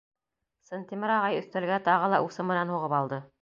Сынтимер ағай өҫтәлгә тағы ла усы менән һуғып алды.